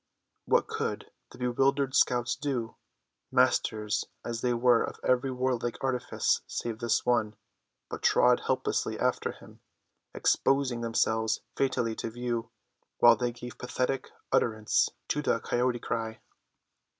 What could the bewildered scouts do, masters as they were of every war like artifice save this one, but trot helplessly after him, exposing themselves fatally to view, while they gave pathetic utterance to the coyote cry.